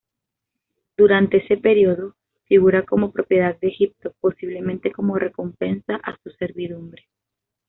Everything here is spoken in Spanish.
Durante ese periodo, figura como propiedad de Egipto, posiblemente como recompensa a su servidumbre.